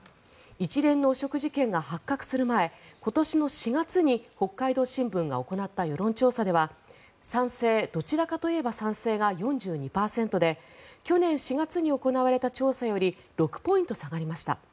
一連の汚職事件が発覚する前今年の４月に北海道新聞が行った世論調査では賛成・どちらかといえば賛成が４２％で去年４月に行われた調査より６ポイント下がりました。